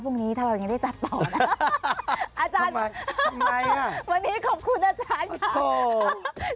พรุ่งนี้ถ้าเรายังได้จัดต่อนะอาจารย์วันนี้ขอบคุณอาจารย์ค่ะ